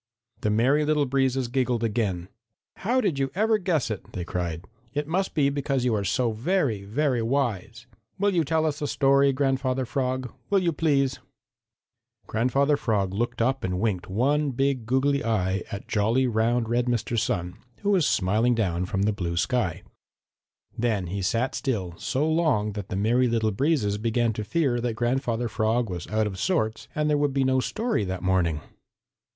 The Merry Little Breezes giggled again. "How did you ever guess it?" they cried. "It must be because you are so very, very wise. Will you tell us a story, Grandfather Frog? Will you please?" Grandfather Frog looked up and winked one big, goggly eye at jolly, round, red Mr. Sun, who was smiling down from the blue sky. Then he sat still so long that the Merry Little Breezes began to fear that Grandfather Frog was out of sorts and that there would be no story that morning.